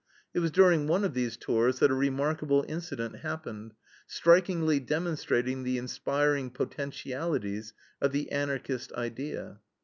It was during one of these tours that a remarkable incident happened, strikingly demonstrating the inspiring potentialities of the Anarchist idea.